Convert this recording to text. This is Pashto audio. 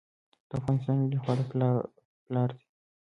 د افغانستان ملي خواړه پلاو دی